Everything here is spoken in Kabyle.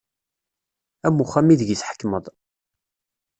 Am uxxam ideg i tḥekmeḍ.